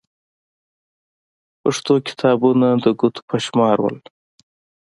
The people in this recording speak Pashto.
پښتو کتابونه د ګوتو په شمار وو.